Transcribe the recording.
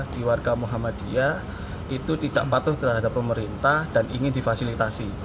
di warga muhammadiyah itu tidak patuh terhadap pemerintah dan ingin difasilitasi